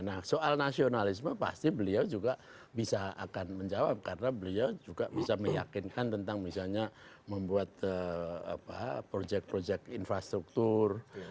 nah soal nasionalisme pasti beliau juga bisa akan menjawab karena beliau juga bisa meyakinkan tentang misalnya membuat proyek proyek infrastruktur